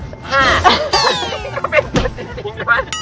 ก็เป็นตุ๊ดจริงนะ